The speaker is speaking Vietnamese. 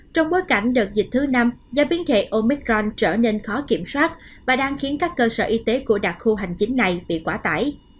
trong bối cảnh đợt dịch thứ năm giá biến thể omicron trở nên khó kiểm soát và đang khiến các cơ sở y tế của đặc khu hành chính này bị quá tải